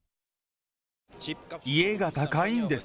家が高いんです。